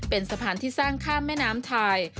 เป็นสะพานที่สร้างข้ามแม่น้ำทาย